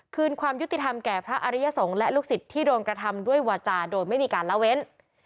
คืนความยุติธรรมแก่พระอริยสงฆ์และลูกศิษย์ที่โดนกระทำด้วยวาจาโดยไม่มีการละเว้น